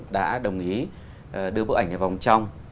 đã đồng ý đưa bức ảnh vào vòng trong